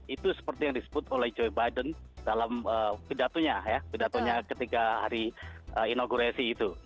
itu seperti yang disebut oleh joe biden dalam kedatunya ketika hari inaugurasi itu